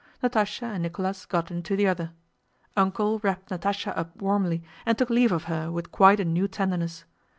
Natásha and Nicholas got into the other. "Uncle" wrapped Natásha up warmly and took leave of her with quite a new tenderness.